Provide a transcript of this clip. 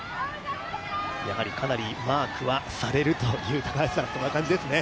かなりマークはされるという感じですね。